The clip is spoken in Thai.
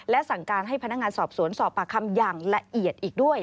และสั่งการให้พนักงานสอบสวนสอบปากคำอย่างละเอียดอีกด้วย